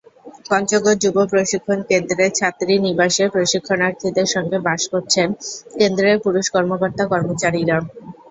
পঞ্চগড় যুব প্রশিক্ষণ কেন্দ্রের ছাত্রীনিবাসে প্রশিক্ষণার্থীদের সঙ্গে বাস করছেন কেন্দ্রের পুরুষ কর্মকর্তা-কর্মচারীরা।